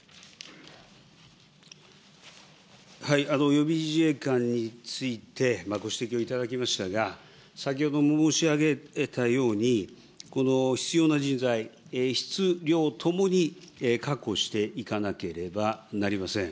予備自衛官についてご指摘を頂きましたが、先ほども申し上げたように、この必要な人材、質、量ともに確保していかなければなりません。